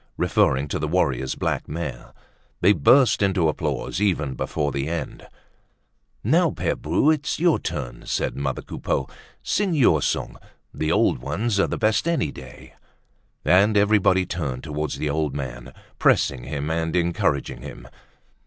referring to the warrior's black mare. They burst into applause even before the end. "Now, Pere Bru, it's your turn!" said mother Coupeau. "Sing your song. The old ones are the best any day!" And everybody turned towards the old man, pressing him and encouraging him.